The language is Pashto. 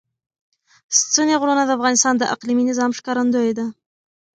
ستوني غرونه د افغانستان د اقلیمي نظام ښکارندوی ده.